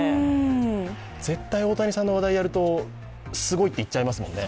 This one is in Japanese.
絶対大谷さんの話題をやるとすごいって言っちゃいますよね。